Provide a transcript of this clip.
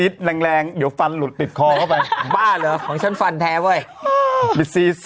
แรงแรงเดี๋ยวฟันหลุดติดคอเข้าไปบ้าเหรอของฉันฟันแท้เว้ย